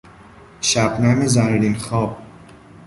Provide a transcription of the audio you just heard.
شبنم زرین خواب